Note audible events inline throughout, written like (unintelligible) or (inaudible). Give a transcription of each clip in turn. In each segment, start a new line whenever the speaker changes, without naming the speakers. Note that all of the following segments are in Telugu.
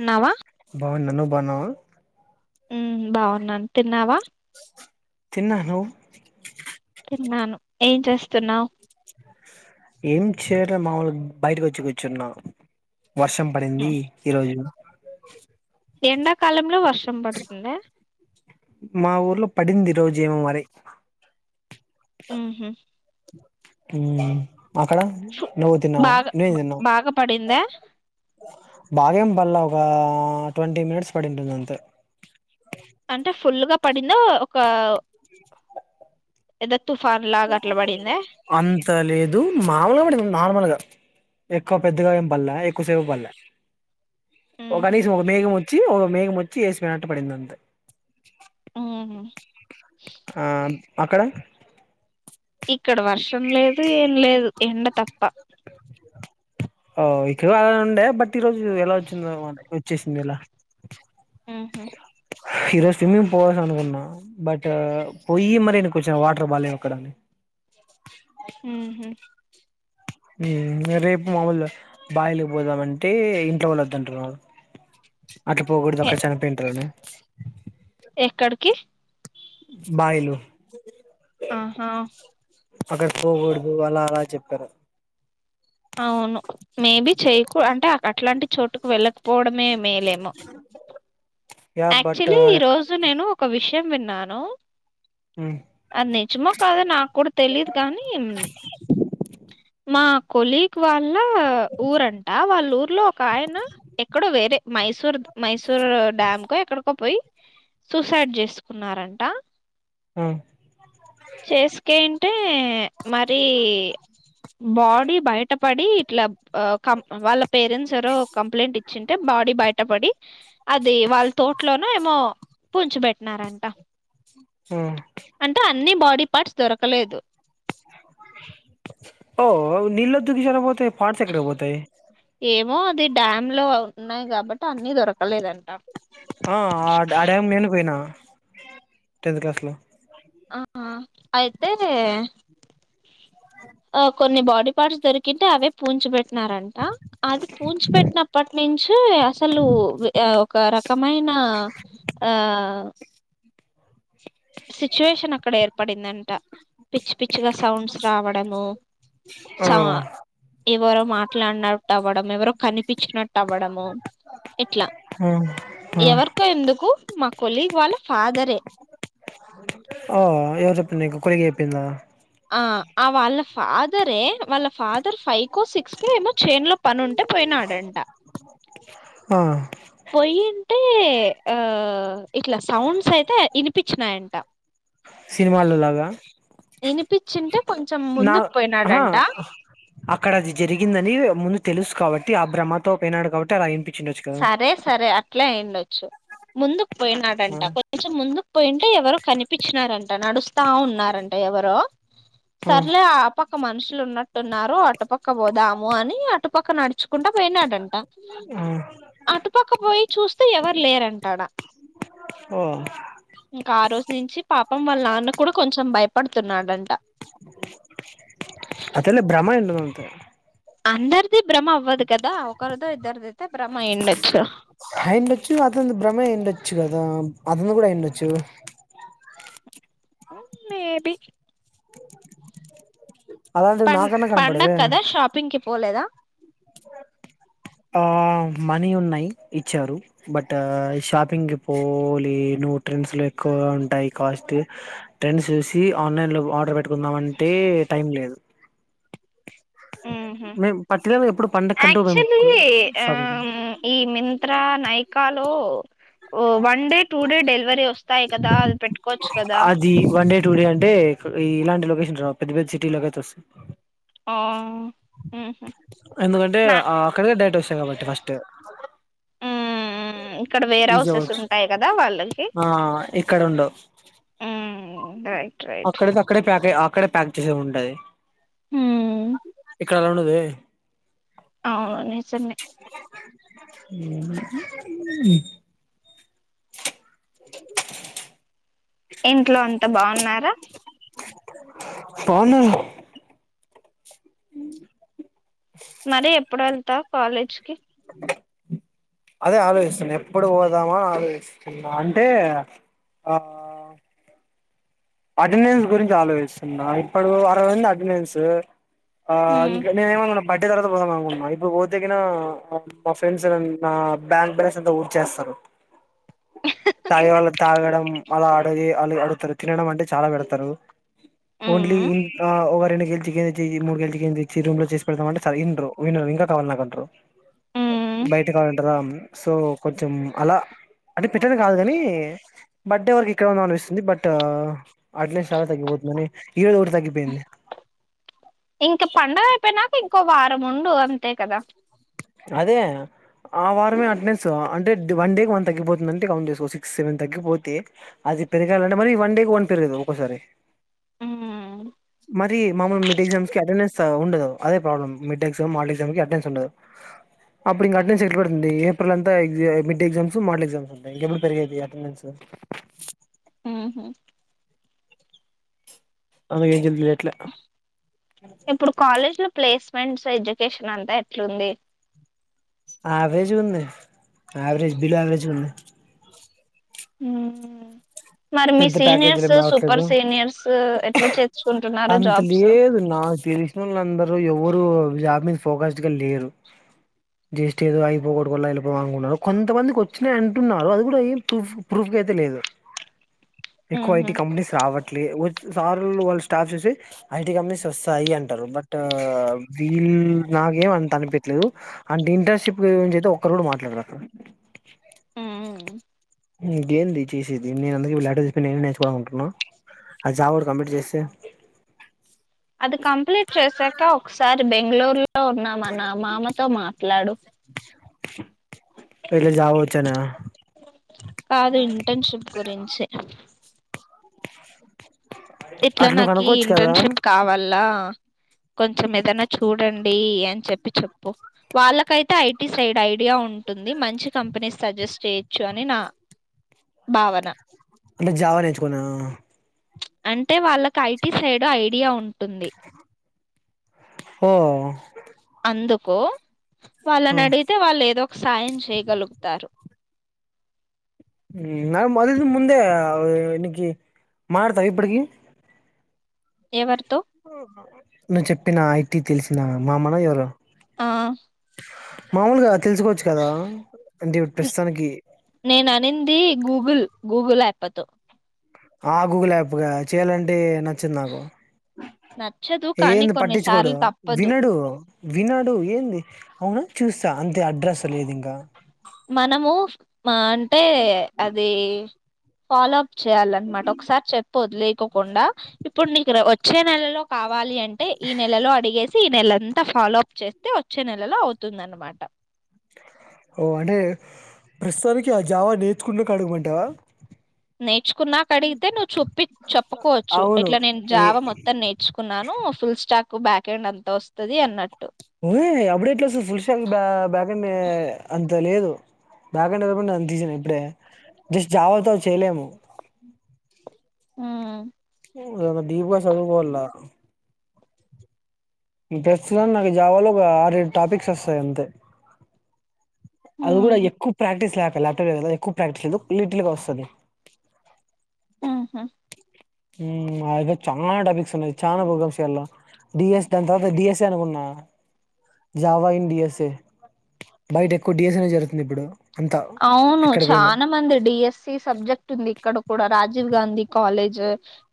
ఉన్నావా
బాగున్నా నువ్వు బాగున్నావా
ఉ బాగున్నాను తిన్నావా
తిన్నా నువ్వు
తిన్నాను ఏం చేస్తున్నావు
ఏం చేయడం మాముూలు బయటికి వచ్చి కూర్చున్నా వర్షం పడింది ఈ రోజు
ఎండాకాలంలో వర్షం పడుతుంద
మా ఊర్లో పడింది ఈ రోజు ఏమో మరీ
ఉహు
ఊ అక్కడ
ఫు-
నువ్వు తిన్నావా
బాగా
నేను
బ-
తిన్నా
బాగా పడిందా
బాగేం పల్లె ఒక ట్వంటీ మినిట్స్ పడింటుంది అంతే
అంటే ఫుల్గా పడింద ఒక ఏద
అంత లేదు మామూలుగా పడింది నార్మల్గా ఎక్కువ పెద్దగా ఏం పల్లే ఎక్కువసేపు పల్లే ఓ
ఉహు
కనీసం ఒక మేఘము చ్చి ఓ మేఘం వచ్చి ఏసుమా టు పడింది అంతే
ఉహు
ఆ అక్కడ
ఇక్కడ వర్షం లేదు ఏం లేదు ఎండ తప్ప
ఓ ఇక్కడ వానల్ ఉండే బట్ ప్రతి రోజు ఎలా వచ్చింది ఆ మాట కి చ్చేసింది ఇలా
హ్ హు
ఈ రోజు స్విమ్మింగ్ పోవాలి అనుకున్నా, బట్ పోయి మరి వెనక్కి వచ్చినా వాటర్ బాలేవ్ అక్కడ అన్
ఉహు
హ్మ్ ఇగ రేప్ మామూలు బావిలేకి పోదామంటే ఇంట్లో వాళ్ళొద్ అంటున్నారు. అట్లా పోకూడదు
ఎ
అక్కడ చనిపోయింటారు అనా
కి
బాయిలు
ఆహా
అక్కడికి పోకూడదు అలా అలా చెప్పారు
అవును మేబీ చేయకు అంటే అ అట్లాంటి చోటుకు వెళ్ళకపోవడమే మేలేమో
యా బట్
యాక్చువలీ ఈ రోజు నేను ఒక విషయం షయం విన్నాను
ఊ
అది నిజమో కాదొ నాక్ కూడా తెలీదు కానీ మా కొలిగ్ వాళ్ళ ఊరంట వాళ్ళ ఊర్లో ఒక ఆయన ఎక్కడో వేరే మైసూర్ మైసూర్ డ్యామ్కో ఎక్కడికో పోయి సూసైడ్ చేసుకున్నారంట
ఆ
చేసుకేంటే మరి బాడీ బయటపడి ఇట్లా కం వాళ్ళ పేరెంట్స్ ఎరో కంప్లైంట్ ఇచ్చింటే బాడీ బయటపడి అది వాళ్ళ తోటలోన ఏమో పూచి పెట్టినారంట
ఆ
అన్ని బాడీ పార్ట్స్ దొరకలేదు
ఓ నీళ్లొద్దు దిశల పోతే పోర్ట్స్ ఎక్కడ పోతాయి
మో అది డ్యామ్ లో ఉన్నాయి కాబట్టి అన్ని దొరకవు
ఆ ఆ డా డ్యామ్ నేను పోయినా టెన్త్ క్లాస్ లో
ఆ ఆ అయితే ఆ కొన్ని బాడీ పార్ట్స్ దొరికితే అవే పూచి పెట్టినారంట అది పూచి పెట్టినప్ప నిం హా అసలు ఒక ర కమైన ఆ సిట్యువేషన్ అక్కడే పడిందంట పిచ్చి పిచ్చిగా సౌండ్స్ రావడము
ఆ
సా ఇవ మాట్లాడనాడు తవడం ఎవరు కనిపించినట్టు అవ్వడము ఇట్లా
ఆ ఆ
ఎవరికో ఎందుకు మా కొలీగ వాళ్ళ ఫాదరే
అ ఎవరు చెపింది కో పిలా
అ వాఫద్ ే వాళ్ళ ఫాదర్ ఫైట్ సిక్స్ క ఏమో చైన్ లో పని ఉంటే పోయినాడడా
ఆ
పోయి అంటే ఆ ఇట్లా సౌండ్స్ అయితే వినిపించినాయంట
సినిమాల్లో లాగా
వినిపించింటే
నా అక్కడ అది జరిగిందని ముందు తెలుసు కాబట్టి ఆ భ్రహమతో పోయినాడు కాబట్టి అలా ఎం
సరే సరే అట్లా అయిండ వచ్చు ముందు
ఆ
పోయినాడంట కొంచెం ముందుకు పోయింటే ఎవరు కనిపించినారంట నడుస్తా ఉన్నారంట ఎవరో సర్లే ఆ పక్క మనుషులు ఉన్నట్టున్నారు అటుపక్క పోదాము అని అటుపక్క నడుచుకుంటా పోయినాడంట
ఆ
అటుపక్క పోయి చూస్తూ ఎవరు లేరంటాడా
ఓ
ఇంకా ఆ రోజు నుంచి పాపం వాళ్ళ నాన్న కూడా కొంచెం భయప పడుతున్నాడంట
అదేలే భ్రమ అయింటది అంతే
అందరిది భ్రమ అవ్వదు కదా ఒకరిదో ఇద్దరిది అయితే భ్రమ అయ్యండొచ్చు
అయిండొచ్చు అతని భ్రమే అయిండొచ్చు కదా అతను కూడా అయిండొచ్చు
మేబి
అలాంటిది
పం
నాకన్నా
పండగ
కనపడదు
కదా షాపింగ్ కి పోలేదా
ఆ మనీ ఉన్నాయి ఇచ్చారు బట్ షాపింగ్కి పోలేదూ ట్రెండ్స్ లో ఎక్కువ ఉంటాయి కాస్ట్ ట్రెండ్స్ చూసి ఆన్లైన్ లో ఆర్డర్ పెట్టుకుందామఅంటే టైం లేదు మేము పర్టికులర్ గా ఎప్పుడు పండగకంటూ మేము
యాక్చువల్లీ ఆ
షాపింగ్
ఈ మింత్రా నైకాలో ఓ one day two day delivery వస్తాయి కదా అది పెట్టుకోవచ్చు కదా
ఈ ఇలాంటి లొకేషన్ రా పెద్ద పెద్ద సిటీలోకయితే వస్తే
ఆ ఉహు
ఎందుకంటే
నా
అక్కడిక డేట్ వస్తాయి కాబట్టి ఫస్ట్
ఉమ్ ఇక్కడ వేర్
ఈజీ
హౌసెస్
అవ్వచ్చు
ఉంటాయి కదా వాళ్ళకి
ఆ ఇక్కడ ఉండవు
రైట్ రైట్
అక్కడే అ (inaudible) అక్కడే ప్యాక్ చేసే ఉంటది
హు
ఇక్కడలా ఉండది
అవును నిజమే ఇంట్లో అంత బాగున్నారా
పాము ఉమ్
మరి ఎప్పుడు వెళ్తా కాలేజీకి
అదే ఆలోచిస్తున్నా ఎప్పుడు పోదామాో ఆలోచిస్తున్నా అంటే ఆ అటెండెన్స్ గురించి ఆలోచిస్తున్నా ఇప్పుడు అరవ అటెండెన్స్ ఆ
ఉమ్
ఇం నేనుమనుకున్నా బడ్ తర్వాత పోదాం అనుకుంటున్నా ఇప్పుడు పోతేన మా ఫ్రెండ్స్ నా బ్యాంక్ బ్యాలెన్స్ అంత ఊడ్చేస్తారు తాగే వాళ్ళ తాగడం అలా అడది అ అడుగుతారు తినడం అంటే చాలా పెడతారు ఓన్లీ
ఉమ్
ఇ ఆ రెండ్ చికెన్ ఇ మూడుళ చికెన్ తెచ్చి రూమ్ లో చేసి పెడతామంట విండ వినరు ఇంకా కావాల నాకుండరు
ఉమ్
బయట కావాలంటారా సో కొంచెం అలా అంటే పెట్టనే కాదు కాని బర్త్డే వరకు ఎక్కడ ఉంద అనిపిస్తుంది బట్ ఆట్లే సాలా తగపోతు మ
ఇంక పడుగ అయిపోయినాక ఇంకో వారం ముండు అంతే కదా
అదే ఆ వారమే అటెండెన్స్ అంటే వన్ డేకి వన్ తగ్గిపోతుందంటే కౌంట్ చేసుకో సిక్స్ సెవెన్ తగ్గిపోతే అది పెరగాలంటే మరి వన్ డేకి వన్ పెరగదు ఒసారి
ఉమ్
మరి మామూలు మడ్ ఎ్జాస్ క అటెండెన్ ఉండదు అద problem mid exam mall exam క అటెన్స్ ఉండదు అప్పుడు ఇంకా అటెండెన్స్ ఎట్ పెడుతుంది ఏప్రిల్ అంతా మిడ్డే ఎగ్జామ్స్ మార్డల్ ఎగ్జామ్స్ ఉంటాయి ఇంకెప్పుడు పెరిగాది అటెండెన్స్
ఓ
అందు కే చెట్లే
ఇప్పుడు కాలేజ్ లో ప్లేస్ ఫ్రాన్స్ ఎడ్యుకేషన్ అంతా ఎట్లుంది
ఆవరేజ్ ఉంది ఆయావరేజ్ బిలో వరేజ్ ఉంది
ఉమ్ మరి మీ
పెద్ద ప్యాకేజీలు
సీనియర్స్
ఏం రావట్లేదు
సూపర్ సీనియర్స్ ఎట్లా చేర్చుకుంటున్నారు
అంత
జాబ్స్
ఇడు జాబ్ మీద ఫోకస్డ్ గా లేరు జస్ట్ ఏదో అగిపోకడ వెళ్ళిపో అనుకుున్నారు కొంతమందికి వచ్చిన అంటున్నారు అది కూడా ఏం ప్రూఫ్ ప్రూఫ్ అయితే లేదు ఎక్కువ
ఉహు
ఐటీ కంపెనీస్ రావట్ సార్ వాళ్ళ స్టాఫ్ చూసి ఐటీ కంపెనీస్ వస్తాయి అంటారు బట్ వీళు నాకేం అంత అనిపట్లేదు అ ఇంటర్న్షిప్ ఒరు మాట్లాడారు అ
ఆ
ఇకేంది చేసేది నేను అందరిక లేటర్ చెప్ప నేను నేర్చుకోవాలనుకుంటున్నా అ జాబ్ కూడా కంప్లీట్ చేస్తే
అది కంప్లీట్ చేసాక ఒకసారి బ మంగూరులో ఉన్నా మా నామామతో మాట్లాడు
ఇట్లా జావా వచ్చానా
కాదు ఇంటర్న్షిప్ గురించి ఇట్లా
అట్లా నువ్వు
నాకి
కనుక్కోవచ్చు కదా
ఇంటర్న్షిప్ కావాల కొంచెం ఏదనా చూడండి అని చెప్పి చెప్పు వాళ్ళకైతే ఐటీ సైడ్ ఐడియా ఉంటుంది మంచి కంపెనీస్ సజెస్ట్ చేయొచ్చు అని నా భావన
అంటే జావా నేర్చుకున్నా
అంటే వాళ్ళకు ఐటీ సైడ్ ఐడియా ఉంటుంది
ఓ
అందుకు వాళ్ళని అడిగితే వాళ్ళు ఏదో ఒక సాయం చేయగలుగుతారు
న అదింద ముందే ఇకి మతావ ఇప్పుటికి
ఎవరితో
నువ్వు చెప్పిన ఐటీ తెలిసిన మామన ఎవరు
ఆ
మామలుగా తెలుసుకోవచ్చు కదా అంటే ఇ
న-
ప్రస్తుతానికి
నేను అనింది గూగుల్ గూగుల్ యాప్తు
ఆ గూగుల్ యాప్ గా చెయాలంటే చ్చ నాకు
నచ్చదు కానీ
ఏంది పట్టించుకోడు
కొన్నిసార్లు తప్పదు
వినడు వినడు ఏంది అవునా చూస్తా అంతే అడ్రస్ లేదు ఇంకా
మనము మా అంటే అది ఫాలో అప్ చెయాల అన్నమాట ఒకసారి చెప్ పోద్లేకోకుండా ఇప్పుడు నీకు వచ్చే నెలలో కావాలి అంటే ఈ నెలలో అడిగేసి ఈ నెల అంత ఫాలో అప్ చేస్తే వచ్చే నెలలో అవుతుందనమాట
ఓ అంటే ప్రస్తుతానికి ఆ జావా నేర్చుకున్న అడగమంటావా
నేర్చుకున్నాక అడిగితే నువ్వు చొప్పి చెప్పుకోవచ్చు
అవును
ఇట్లా నేను జావ
ఏ
మొత్తం నేర్చుకున్నాను ఫుల్ స్టాక్ బ్యాక్ హ్యాండ్ అంత వస్తుది అన్నట్టు
ఓయ్ అప్పుడే ఎట్ల వస్తాది ఫుల్షాక్ బ్యాగ అంత లేదు బాకలపండి నను తీసినా ఇప్పుడే జస్ట్ జావాతో చేయలేము
ఆమ్
డిప్ గా చదువుకోవాల ప్రస్తుతనికి నాకు జావాలో ఒక ఆరు టాపిక్స్ వస్తాయి అంతే అది కూడా
ఉమ్,
ఎక్కువ ప్రాక్టీస్ ల్యాప్టాప్ ఎక్కువ ప్రాక్టీస్ లేదు లిటిల్ గా వస్తాది
ఆహా
మా దగ్గర చాలా టాపిక్స్ ఉన్నాయి చాలా ప్రోగ్రామ్స్ చేయాల డిఎస్ దాని తర్వాత డిఎస్ఏ అనుకున్నా జావాయిన్ డిఎస్ఏ బయట ఎక్కువ డిఎస్ఏ జరుతుంది ఇప్పుడు అంతా
అవును
ఎక్కడ పోయినా.
చాలా మంది డిఎస్సి సబ్జెక్ట్ ఉంది ఇక్కడ కూడా రాజ రాజీవ్ గాంధీ కాలేజ్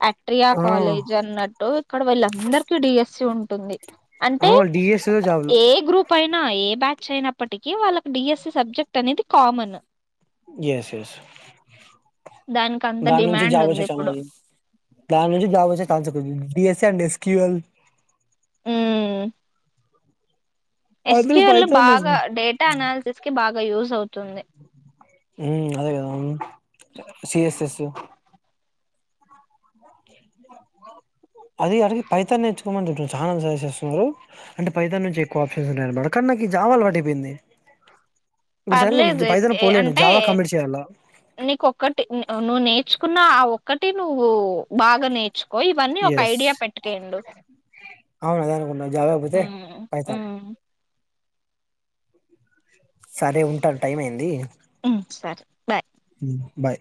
అట్రియా
ఆ!
కాలేజ్ అన్నట్టు ఇక్కడ వీళ్ళందరికీ డిఎస్ మ ఉంటుంది అంటే
ఆ! డిఎస్ఏలో జాబ్‌లు.
ఏ గ్రూప్ అయినా ఏ బ్యాచ్ అయినప్పటికి వాళ్ళకి డిఎస్సి సబ్జెక్ట్ అనేది కామన్
ఎస్ ఎస్
దానికి అంత
దా నుంచి
డిమాండ్
జాబు
ఉంది
వచ్చే
ఇప్పుడు
(unintelligible) దాన్ నుంచి జాబ్ వచ్చే (unintelligible) పీస్ అండ్ ఎస్ క్ ల్
మ్
అందరూ
ఎస్క్యూల్
పైథాన్
బాగా డేటా అనాలిసిస్ కి బాగా ఇ యూజ్ అవుతుంది
మ్ అదే కదా సిఎస్ఎస్ అది అడిగ పైతాన్ని నేర్చుకోమని చాలా సజెస్ చేస్తున్నారు, అంటే పైతాన్ నుంచి ఎక్కువ ఆప్షన్స్ ఉన్నాయ అన్నమాట కానీ నాకు జావా అలవాటు అయిపోయింది. ఇప్పుడు
పర్లేదు
సడన్గా పైథాన్
ఏ
పోలేను
అంటే
జావా కంప్లీట్ చేయాలా
నీకొకటి నువ్వు నేర్చు కున్న ఆ ఒక్కటి నువ్వు బాగా నేర్చు కో ఇవన్నీ ఒక
ఎస్
ఐడియా పెట్టుకెళ్ళు
అవును అదే అనుకున్నా జావా
ఊ
కాకపోతే పైథాన్
ఉమ్
సరే ఉంటాను టైం అయింది
ఉమ్ సరే బాయ్
ఊ బాయ్